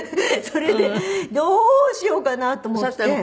それでどうしようかなと思って。